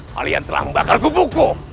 kalian telah membakar gunggu